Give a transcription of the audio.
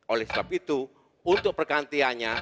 oleh sebab itu untuk pergantiannya